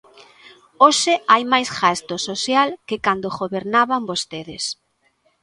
Hoxe hai máis gasto social que cando gobernaban vostedes.